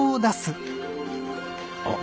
あっ。